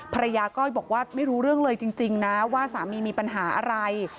ก้อยบอกว่าไม่รู้เรื่องเลยจริงนะว่าสามีมีปัญหาอะไร